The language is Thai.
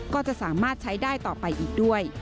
ก็จะสามารถใช้ได้ต่อไปอีกด้วย